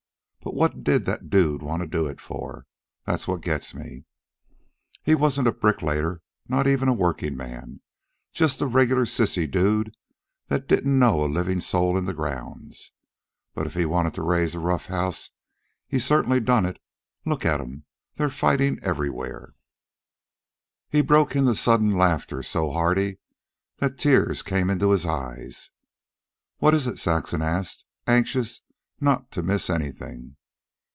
But what did that dude wanta do it for? That's what gets me. He wasn't a bricklayer not even a workingman just a regular sissy dude that didn't know a livin' soul in the grounds. But if he wanted to raise a rough house he certainly done it. Look at 'em. They're fightin' everywhere." He broke into sudden laughter, so hearty that the tears came into his eyes. "What is it?" Saxon asked, anxious not to miss anything.